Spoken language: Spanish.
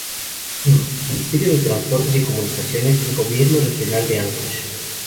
Lima: Ministerio de Transportes y Comunicaciones y Gobierno Regional de Áncash.